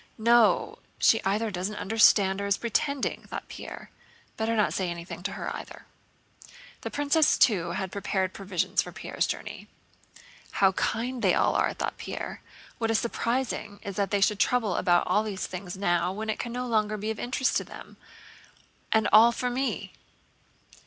"No, she either doesn't understand or is pretending," thought Pierre. "Better not say anything to her either." The princess too had prepared provisions for Pierre's journey. "How kind they all are," thought Pierre. "What is surprising is that they should trouble about these things now when it can no longer be of interest to them. And all for me!"